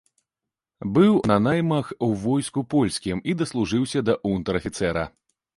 Быў на наймах у войску польскім і даслужыўся да унтэр-афіцэра.